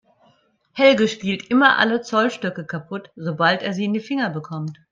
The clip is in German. Helge spielt immer alle Zollstöcke kaputt, sobald er sie in die Finger bekommt.